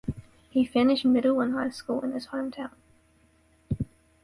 He finished middle and high school in his hometown.